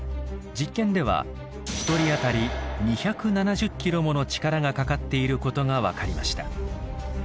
実験では１人あたり２７０ｋｇもの力がかかっていることが分かりました。